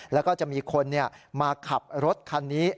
แล้วก็จะมีคนมาขับรถคันนี้